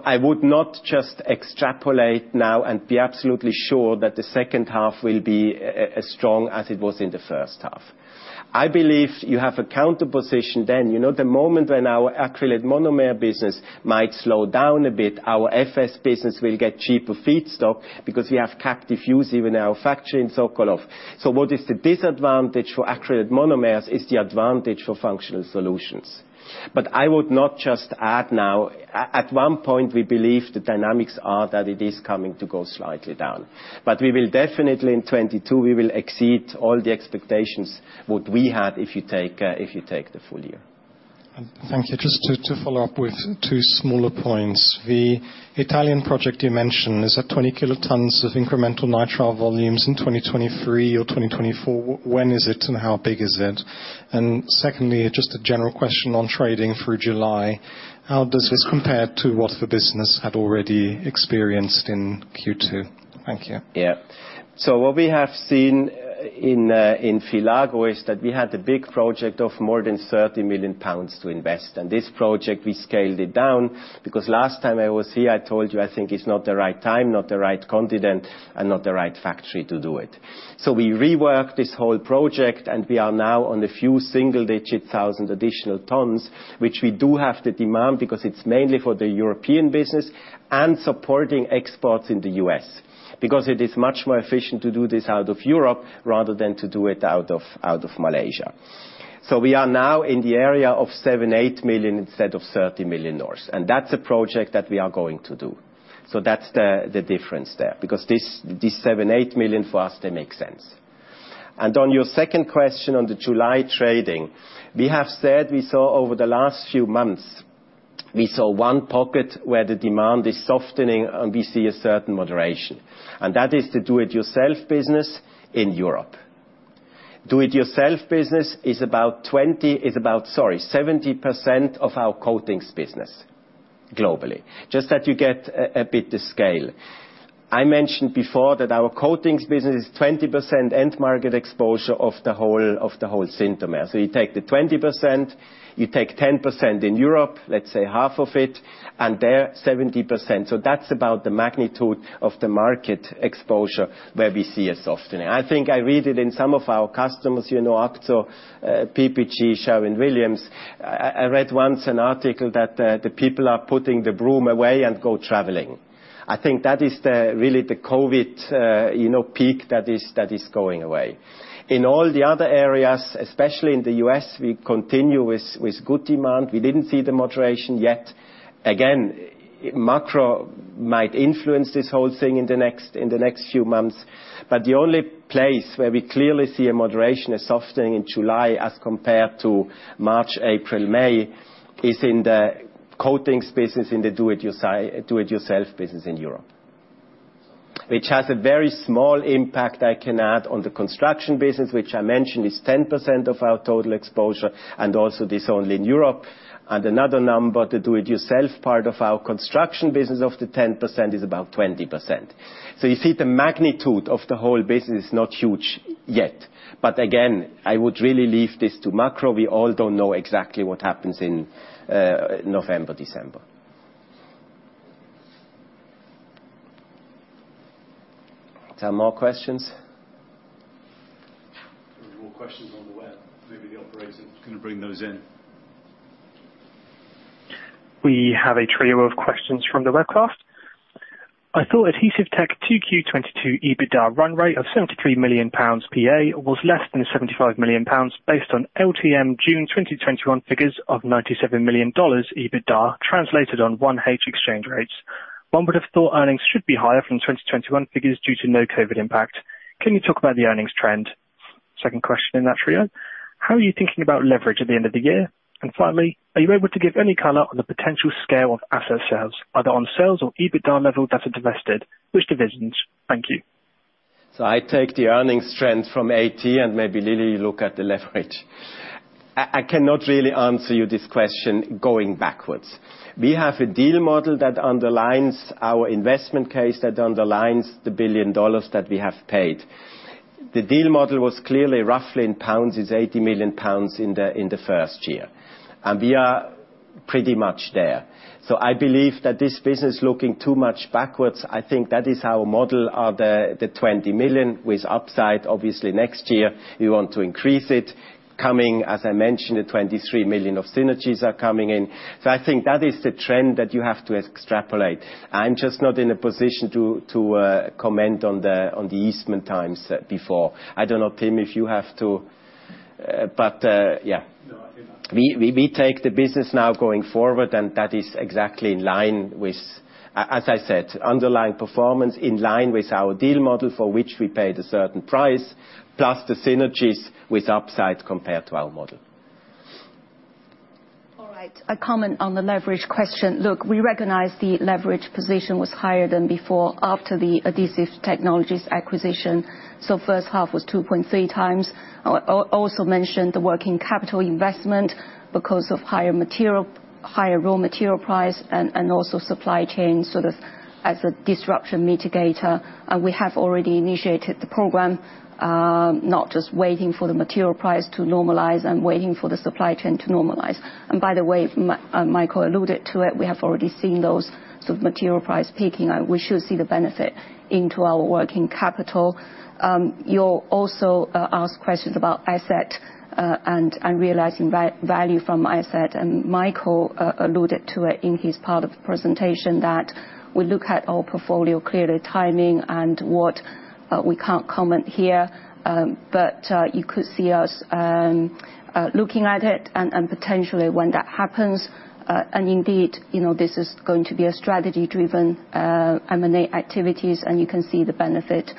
I would not just extrapolate now and be absolutely sure that the second half will be as strong as it was in the first half. I believe you have a counter position then. You know, the moment when our acrylate monomer business might slow down a bit, our FS business will get cheaper feedstock because we have captive use even in our factory in Sokolov. What is the disadvantage for acrylate monomers is the advantage for Functional Solutions. I would not just add now. At one point, we believe the dynamics are that it is coming to go slightly down. We will definitely in 2022 exceed all the expectations what we had if you take the full year. Thank you. Just to follow up with two smaller points. The Italian project you mentioned, is that 20 kilotons of incremental nitrile volumes in 2023 or 2024? When is it and how big is it? Secondly, just a general question on trading through July. How does this compare to what the business had already experienced in Q2? Thank you. What we have seen in Filago is that we had a big project of more than 30 million pounds to invest. This project, we scaled it down because last time I was here, I told you, I think it's not the right time, not the right continent, and not the right factory to do it. We reworked this whole project, and we are now on a few single-digit thousand additional tons, which we do have the demand because it's mainly for the European business and supporting exports in the U.S., because it is much more efficient to do this out of Europe rather than to do it out of Malaysia. We are now in the area of 7 million-8 million instead of 30 million, and that's a project that we are going to do. That's the difference there, because this 7-8 million for us, they make sense. On your second question on the July trading, we have said we saw over the last few months, we saw one pocket where the demand is softening and we see a certain moderation. That is the do-it-yourself business in Europe. Do-it-yourself business is about, sorry, 70% of our coatings business globally. Just that you get a bit of the scale. I mentioned before that our coatings business is 20% end market exposure of the whole Synthomer. You take the 20%, you take 10% in Europe, let's say half of it, and there, 70%. That's about the magnitude of the market exposure where we see a softening. I think I read it in some of our customers, you know, AkzoNobel, PPG, Sherwin-Williams. I read once an article that the people are putting the broom away and go traveling. I think that is really the COVID, you know, peak that is going away. In all the other areas, especially in the U.S., we continue with good demand. We didn't see the moderation yet. Again, macro might influence this whole thing in the next few months. The only place where we clearly see a moderation, a softening in July as compared to March, April, May, is in the coatings business, in the do it yourself business in Europe. Which has a very small impact I can add on the construction business, which I mentioned is 10% of our total exposure, and also this only in Europe. Another number, the do it yourself part of our construction business of the 10% is about 20%. You see the magnitude of the whole business is not huge yet. Again, I would really leave this to macro. We all don't know exactly what happens in November, December. There are more questions? There are more questions on the web. Maybe the operator's gonna bring those in. We have a trio of questions from the webcast. I thought Adhesive 2Q 2022 EBITDA run rate of GBP 73 million PA was less than GBP 75 million based on LTM June 2021 figures of $97 million EBITDA translated on 1H exchange rates. One would have thought earnings should be higher from 2021 figures due to no COVID impact. Can you talk about the earnings trend? Second question in that trio. How are you thinking about leverage at the end of the year? Finally, are you able to give any color on the potential scale of asset sales, either on sales or EBITDA level that's divested? Which divisions? Thank you. I take the earnings trend from AT and maybe Lily look at the leverage. I cannot really answer you this question going backwards. We have a deal model that underlines our investment case, that underlines the $1 billion that we have paid. The deal model was clearly roughly in pounds is 80 million pounds in the first year. We are pretty much there. I believe that this business looking too much backwards. I think that is our model of the 20 million with upside. Obviously next year we want to increase it. Coming, as I mentioned, the $23 million of synergies are coming in. I think that is the trend that you have to extrapolate. I'm just not in a position to comment on the Eastman times before. I don't know, Timon, if you have to, but, yeah. No, I do not. We take the business now going forward, and that is exactly in line with, as I said, underlying performance in line with our deal model for which we paid a certain price, plus the synergies with upside compared to our model. All right, I comment on the leverage question. Look, we recognize the leverage position was higher than before after the Adhesive Technologies acquisition. First half was 2.3x. Also mentioned the working capital investment because of higher material, higher raw material price and also supply chain, sort of as a disruption mitigator. We have already initiated the program, not just waiting for the material price to normalize and waiting for the supply chain to normalize. By the way, Michael alluded to it, we have already seen those sort of material price peaking. We should see the benefit into our working capital. You also asked questions about asset and realizing value from asset. Michael alluded to it in his part of the presentation that we look at our portfolio, clearly timing and what we can't comment here. You could see us looking at it and potentially when that happens. Indeed, you know, this is going to be a strategy-driven M&A activities, and you can see the benefit on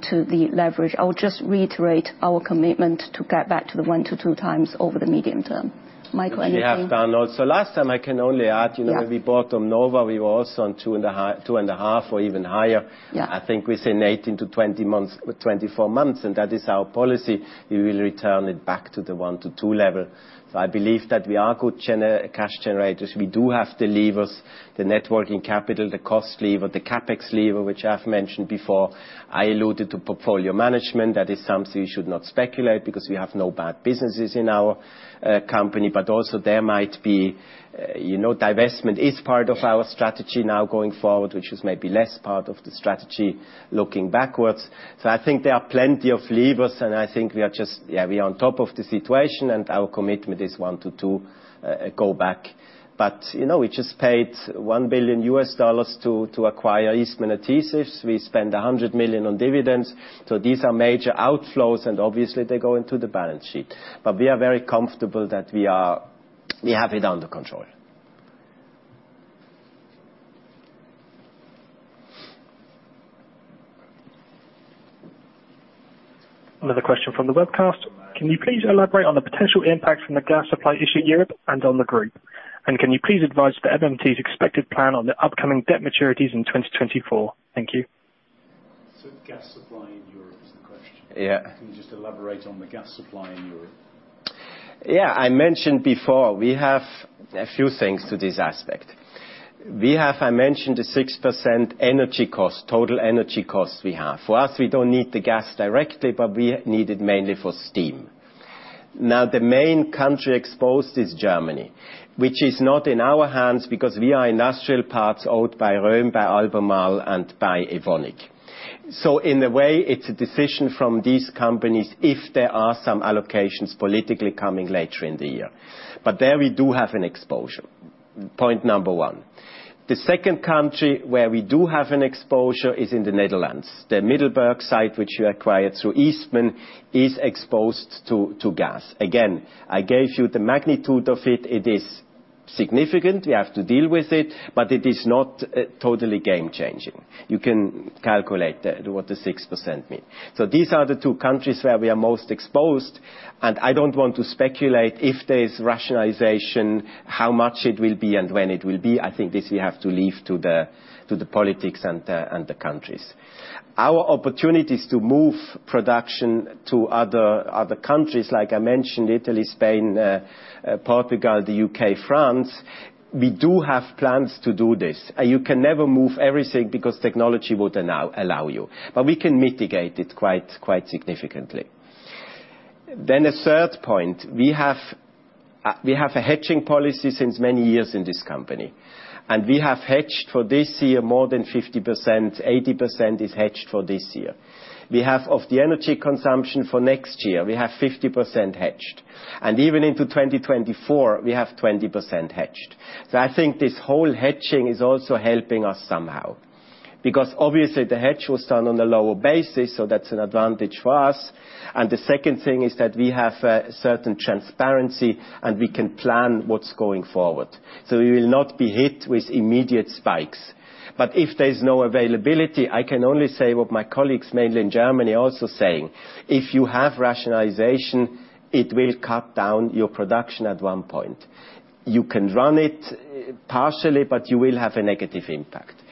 to the leverage. I would just reiterate our commitment to get back to the 1x-2x over the medium term. Michael, anything? We have done also. Last time, I can only add, you know. Yeah. When we bought OMNOVA, we were also on 2.5 or even higher. Yeah. I think within 18-24 months, and that is our policy, we will return it back to the 1x-2x level. I believe that we are good cash generators. We do have the levers, the net working capital, the cost lever, the CapEx lever, which I have mentioned before. I alluded to portfolio management. That is something we should not speculate because we have no bad businesses in our company. There might be, you know, divestment is part of our strategy now going forward, which is maybe less part of the strategy looking backwards. I think there are plenty of levers, and I think we are just, yeah, we are on top of the situation and our commitment is 1x-2x, go back. you know, we just paid $1 billion to acquire Eastman Adhesives. We spent 100 million on dividends. These are major outflows, and obviously they go into the balance sheet. We are very comfortable that we have it under control. Another question from the webcast. Can you please elaborate on the potential impact from the gas supply issue in Europe and on the group? Can you please advise for management's expected plan on the upcoming debt maturities in 2024? Thank you. Gas supply in Europe is the question. Yeah. Can you just elaborate on the gas supply in Europe? Yeah. I mentioned before, we have a few things to this aspect. We have, I mentioned the 6% energy cost, total energy cost we have. For us, we don't need the gas directly, but we need it mainly for steam. Now, the main country exposed is Germany, which is not in our hands because we are industrial parts owned by Röhm, by Albemarle, and by Evonik. In a way, it's a decision from these companies if there are some allocations politically coming later in the year. There we do have an exposure. Point number one. The second country where we do have an exposure is in the Netherlands. The Middelburg site, which we acquired through Eastman, is exposed to gas. Again, I gave you the magnitude of it. It is significant. We have to deal with it, but it is not totally game changing. You can calculate what the 6% mean. These are the two countries where we are most exposed, and I don't want to speculate if there is rationalization, how much it will be, and when it will be. I think this we have to leave to the politics and the countries. Our opportunities to move production to other countries, like I mentioned, Italy, Spain, Portugal, the U.K., France, we do have plans to do this. You can never move everything because technology would allow you. But we can mitigate it quite significantly. A third point, we have a hedging policy since many years in this company, and we have hedged for this year more than 50%. 80% is hedged for this year. Of the energy consumption for next year, we have 50% hedged. Even into 2024, we have 20% hedged. I think this whole hedging is also helping us somehow. Because obviously the hedge was done on a lower basis, so that's an advantage for us. The second thing is that we have a certain transparency, and we can plan what's going forward, so we will not be hit with immediate spikes. If there's no availability, I can only say what my colleagues mainly in Germany are also saying. If you have rationalization, it will cut down your production at one point. You can run it partially, but you will have a negative impact.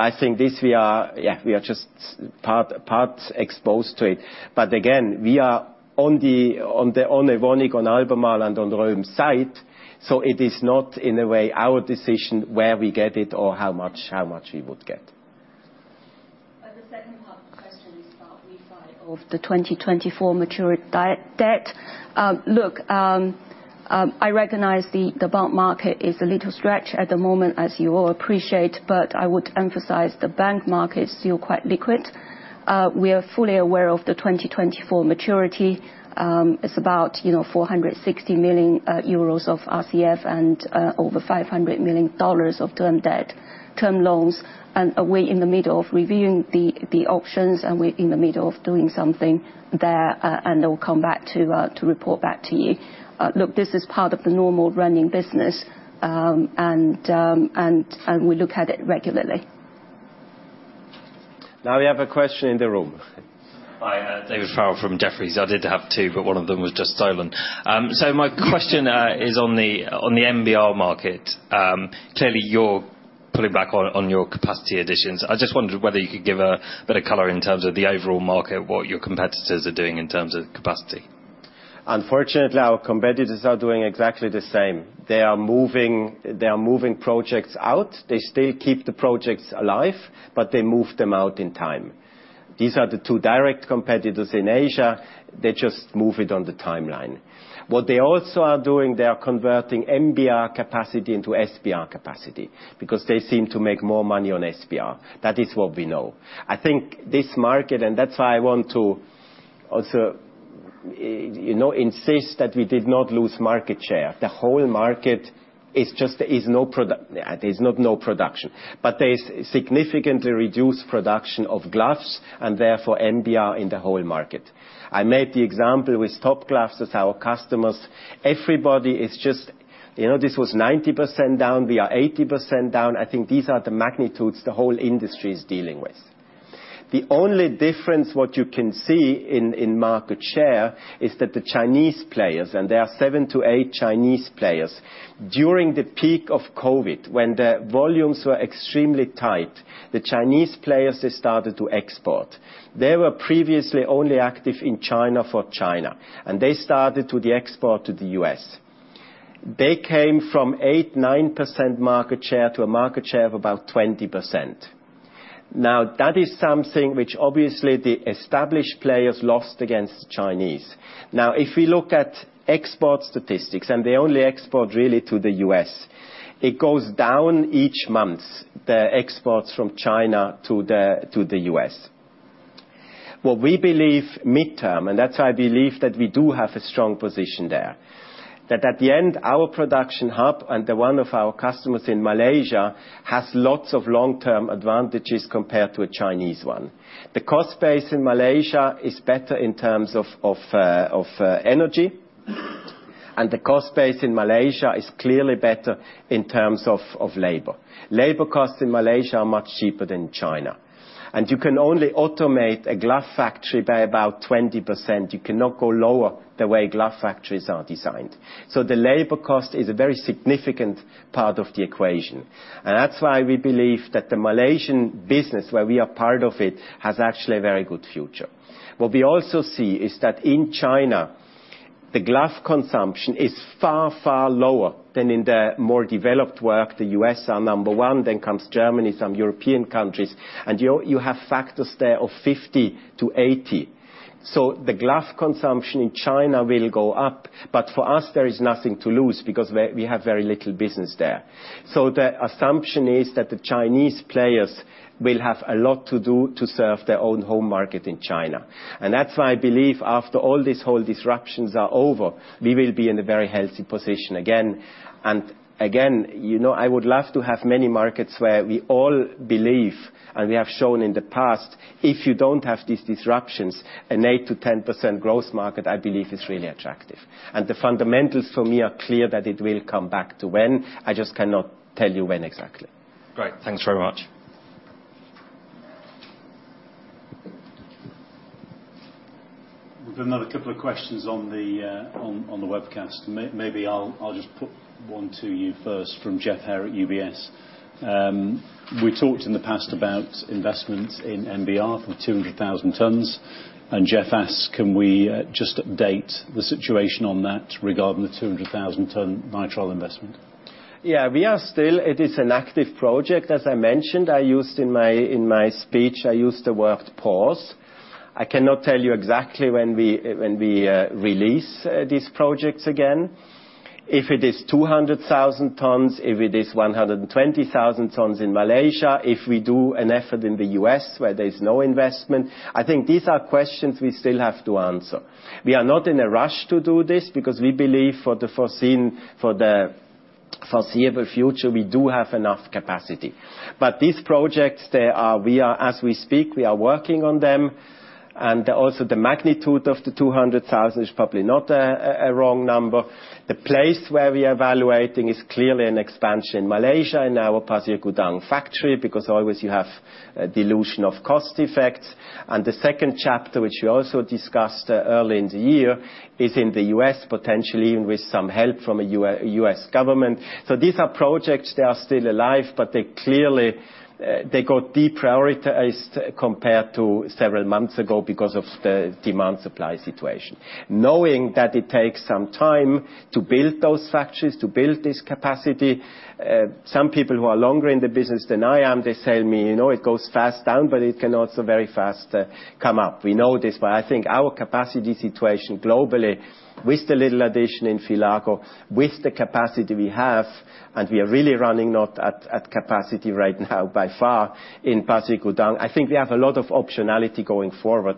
I think this, we are just part exposed to it. Again, we are on Evonik, on Albemarle, and on Röhm's side, so it is not, in a way, our decision where we get it or how much we would get. The second part of the question is about refi of the 2024 maturity date. Look, I recognize the bond market is a little stretched at the moment, as you all appreciate, but I would emphasize the bank market is still quite liquid. We are fully aware of the 2024 maturity. It's about, you know, 460 million euros of RCF and over $500 million of term debt, term loans. We're in the middle of reviewing the options, and we're in the middle of doing something there, and then we'll come back to report back to you. Look, this is part of the normal running business, and we look at it regularly. Now we have a question in the room. Hi, David Farrell from Jefferies. I did have two, but one of them was just stolen. So my question is on the NBR market. Clearly you're pulling back on your capacity additions. I just wondered whether you could give a bit of color in terms of the overall market, what your competitors are doing in terms of capacity. Unfortunately, our competitors are doing exactly the same. They are moving projects out. They still keep the projects alive, but they move them out in time. These are the two direct competitors in Asia. They just move it on the timeline. What they also are doing, they are converting NBR capacity into SBR capacity because they seem to make more money on SBR. That is what we know. I think this market, and that's why I want to also, you know, insist that we did not lose market share. The whole market is just no production. There's not no production, but there is significantly reduced production of gloves and therefore NBR in the whole market. I made the example with Top Glove as our customer. Everybody is just you know, this was 90% down, we are 80% down. I think these are the magnitudes the whole industry is dealing with. The only difference what you can see in market share is that the Chinese players, and there are 7-8 Chinese players. During the peak of COVID, when the volumes were extremely tight, the Chinese players, they started to export. They were previously only active in China for China, and they started to export to the U.S. They came from 8%-9% market share to a market share of about 20%. Now, that is something which obviously the established players lost against the Chinese. Now, if we look at export statistics, and they only export really to the U.S., it goes down each month, the exports from China to the U.S. What we believe midterm, and that's why I believe that we do have a strong position there, that at the end, our production hub and the one of our customers in Malaysia has lots of long-term advantages compared to a Chinese one. The cost base in Malaysia is better in terms of energy, and the cost base in Malaysia is clearly better in terms of labor. Labor costs in Malaysia are much cheaper than China. You can only automate a glove factory by about 20%. You cannot go lower the way glove factories are designed. So the labor cost is a very significant part of the equation. That's why we believe that the Malaysian business, where we are part of it, has actually a very good future. What we also see is that in China, the glove consumption is far, far lower than in the more developed world. The U.S. are number one, then comes Germany, some European countries. You have factors there of 50-80. The glove consumption in China will go up, but for us, there is nothing to lose because we have very little business there. The assumption is that the Chinese players will have a lot to do to serve their own home market in China. That's why I believe after all this whole disruptions are over, we will be in a very healthy position again. Again, you know, I would love to have many markets where we all believe, and we have shown in the past, if you don't have these disruptions, an 8%-10% growth market, I believe, is really attractive. The fundamentals for me are clear that it will come back to when. I just cannot tell you when exactly. Great. Thanks very much. We've another couple of questions on the webcast. Maybe I'll just put one to you first from Jeff Hare at UBS. We talked in the past about investments in NBR for 200,000 tons, and Jeff asks, can we just update the situation on that regarding the 200,000 ton nitrile investment? Yeah. We are still. It is an active project. As I mentioned, I used in my speech the word pause. I cannot tell you exactly when we release these projects again. If it is 200,000 tons, if it is 120,000 tons in Malaysia, if we do an effort in the U.S. where there is no investment. I think these are questions we still have to answer. We are not in a rush to do this because we believe for the foreseeable future we do have enough capacity. These projects, as we speak, we are working on them. Also the magnitude of the 200,000 is probably not a wrong number. The place where we are evaluating is clearly an expansion in Malaysia, in our Pasir Gudang factory, because always you have a dilution of cost effects. The second chapter, which we also discussed early in the year, is in the U.S., potentially even with some help from a U.S. government. These are projects, they are still alive, but they clearly, they got deprioritized compared to several months ago because of the demand supply situation. Knowing that it takes some time to build those factories, to build this capacity, some people who are longer in the business than I am, they tell me, you know, it goes fast down, but it can also very fast come up. We know this, but I think our capacity situation globally with the little addition in Villaricos, with the capacity we have, and we are really running not at capacity right now by far in Pasir Gudang. I think we have a lot of optionality going forward.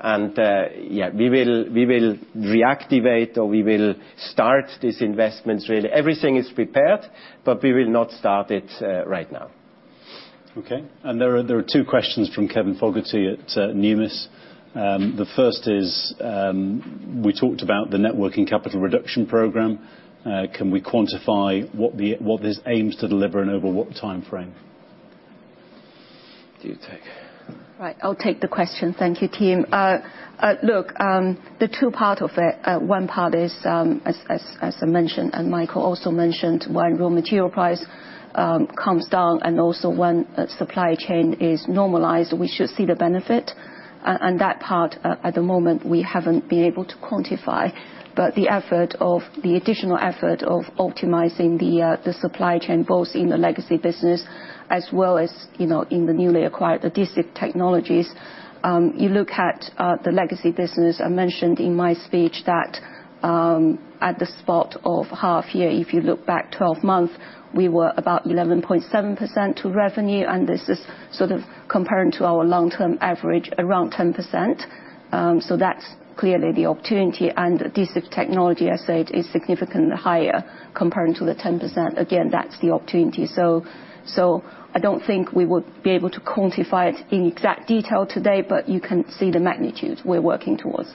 We will reactivate or we will start these investments. Really, everything is prepared, but we will not start it right now. Okay. There are two questions from Kevin Fogarty at Numis. The first is, we talked about the working capital reduction program. Can we quantify what this aims to deliver and over what timeframe? Do you take? Right. I'll take the question. Thank you, team. The two parts of it, one part is, as I mentioned, and Michael also mentioned, when raw material price comes down and also when supply chain is normalized, we should see the benefit. That part at the moment, we haven't been able to quantify. The effect of the additional effort of optimizing the supply chain, both in the legacy business as well as, you know, in the newly acquired Adhesive Technologies. You look at the legacy business, I mentioned in my speech that, at the half year, if you look back 12 months, we were about 11.7% of revenue, and this is sort of comparing to our long-term average around 10%. That's clearly the opportunity. Adhesive Technologies, I said, is significantly higher comparing to the 10%. Again, that's the opportunity. So, I don't think we would be able to quantify it in exact detail today, but you can see the magnitude we're working towards.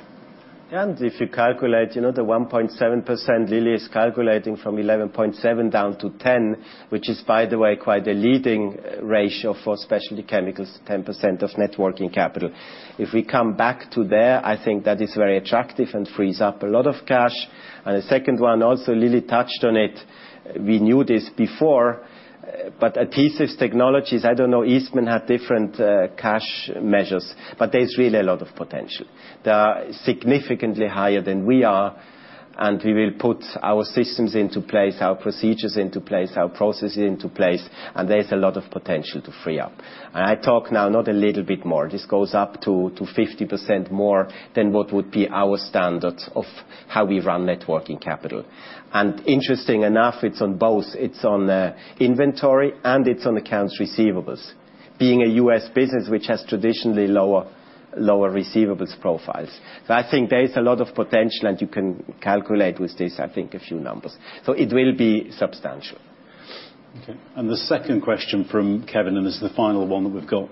If you calculate, you know, the 1.7% Lily is calculating from 11.7 down to 10, which is by the way, quite a leading ratio for specialty chemicals, 10% of net working capital. If we come back to there, I think that is very attractive and frees up a lot of cash. The second one, also Lily touched on it, we knew this before, but Adhesive Technologies, I don't know, Eastman had different, cash measures, but there's really a lot of potential. They are significantly higher than we are, and we will put our systems into place, our procedures into place, our processes into place, and there's a lot of potential to free up. I talk now not a little bit more. This goes up to 50% more than what would be our standard of how we run net working capital. Interesting enough, it's on both. It's on inventory, and it's on accounts receivables. Being a U.S. business which has traditionally lower receivables profiles. I think there is a lot of potential, and you can calculate with this, I think, a few numbers. It will be substantial. Okay. The second question from Kevin, and this is the final one that we've got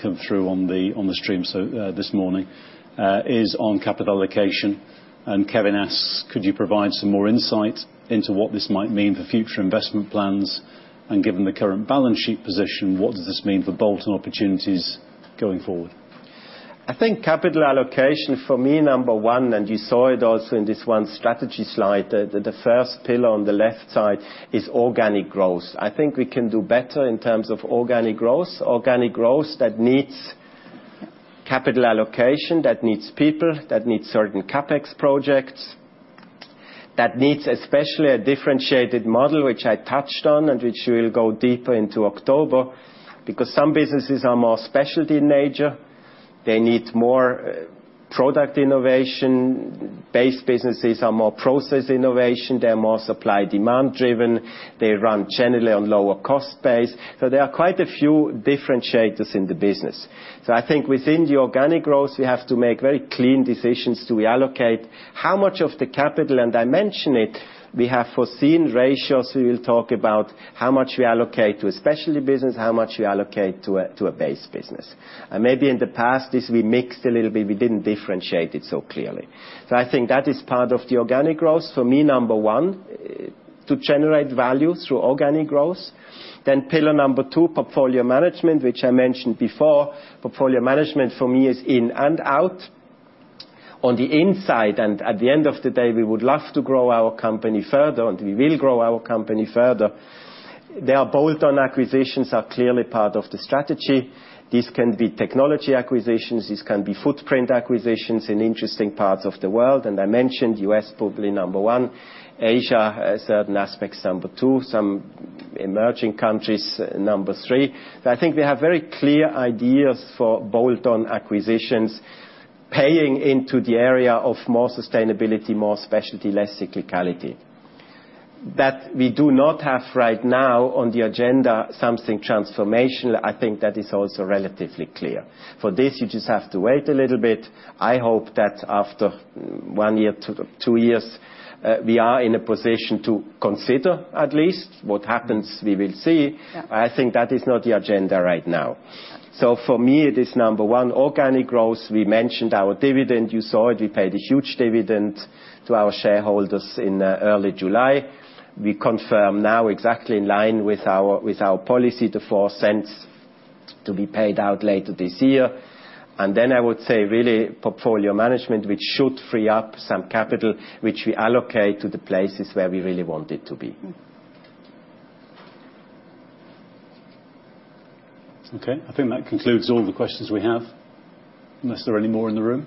come through on the stream so this morning, is on capital allocation. Kevin asks, could you provide some more insight into what this might mean for future investment plans? Given the current balance sheet position, what does this mean for bolt-on opportunities going forward? I think capital allocation for me, number one, and you saw it also in this one strategy slide, the first pillar on the left side is organic growth. I think we can do better in terms of organic growth. Organic growth that needs capital allocation, that needs people, that needs certain CapEx projects. That needs especially a differentiated model, which I touched on and which we'll go deeper into October, because some businesses are more specialty in nature. They need more product innovation. Base businesses are more process innovation. They're more supply demand-driven. They run generally on lower cost base. So there are quite a few differentiators in the business. So I think within the organic growth, we have to make very clean decisions. Do we allocate how much of the capital? I mention it, we have foreseen ratios. We will talk about how much we allocate to a specialty business, how much we allocate to a base business. Maybe in the past, we mixed this a little bit. We didn't differentiate it so clearly. I think that is part of the organic growth for me, number one, to generate value through organic growth. Pillar number two, portfolio management, which I mentioned before. Portfolio management for me is in and out. On the inside, and at the end of the day, we would love to grow our company further, and we will grow our company further. Bolt-on acquisitions are clearly part of the strategy. This can be technology acquisitions, this can be footprint acquisitions in interesting parts of the world. I mentioned U.S., probably number one. Asia has certain aspects, number two. Some emerging countries, number three. I think we have very clear ideas for bolt-on acquisitions, paying into the area of more sustainability, more specialty, less cyclicality. That we do not have right now on the agenda something transformational, I think that is also relatively clear. For this, you just have to wait a little bit. I hope that after one year to two years, we are in a position to consider at least what happens, we will see. Yeah. I think that is not the agenda right now. For me, it is number one, organic growth. We mentioned our dividend. You saw it. We paid a huge dividend to our shareholders in early July. We confirm now exactly in line with our policy, the $0.04 to be paid out later this year. I would say really portfolio management, which should free up some capital, which we allocate to the places where we really want it to be. Mm-hmm. Okay. I think that concludes all the questions we have, unless there are any more in the room?